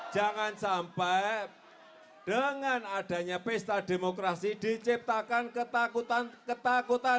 jangan sampai dengan adanya pesta demokrasi diciptakan ketakutan ketakutan